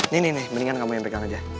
nih nih nih mendingan kamu yang pegang aja ya